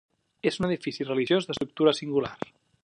És un edifici religiós d'estructura singular.